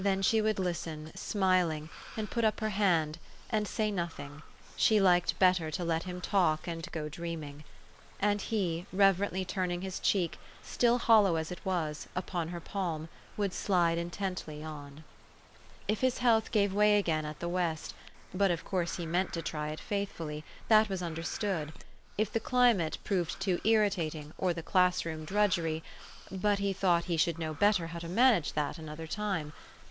Then she would listen, smiling, and put up her hand, and say 426 THE STORY OF AVIS. nothing: she liked better to let him talk and go dreaming. And he, reverently turning his cheek, still hollow as it was, upon her palm, would slide intently ofl. If his health gave way again at the West but of course he meant to try it faithfully ; that was under stood. If the climate proved too irritating, or the class room drudgery but he thought he should know better how to manage that another time.